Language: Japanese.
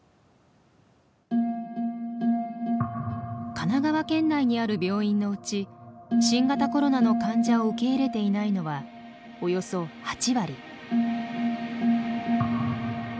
神奈川県内にある病院のうち新型コロナの患者を受け入れていないのはおよそ８割。